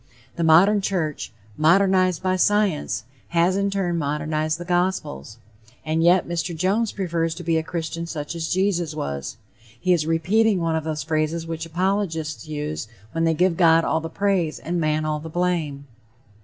The modern church, modernized by science, has in turn modernized the gospels. And yet Mr. Jones prefers to be a Christian such as Jesus was. He is repeating one of those phrases which apologists use when they give God all the praise and man all the blame.